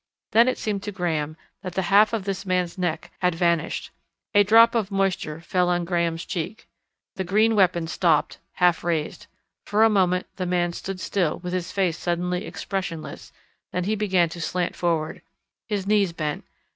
Then it seemed to Graham that the half of this man's neck had vanished. A drop of moisture fell on Graham's cheek. The green weapon stopped half raised. For a moment the man stood still with his face suddenly expressionless, then he began to slant forward. His knees bent.